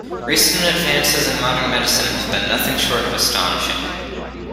Recent advances in modern medicine have been nothing short of astonishing.